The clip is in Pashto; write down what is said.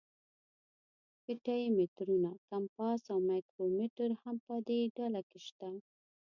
فیته یي مترونه، کمپاس او مایکرومتر هم په دې ډله کې شته.